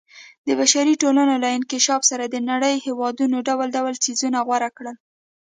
د بشري ټولنو له انکشاف سره د نړۍ هېوادونو ډول ډول څیزونه غوره کړل.